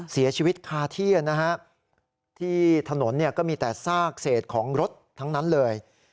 เสียชีวิตคาที่นะฮะที่ถนนเนี่ยก็มีแต่ซากเศษของรถทั้งนั้นเลย